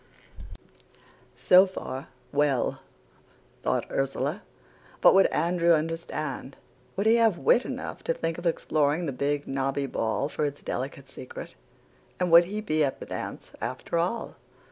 "So far, well, thought Ursula. But would Andrew understand? Would he have wit enough to think of exploring the big, knobby ball for its delicate secret? And would he be at the dance after all?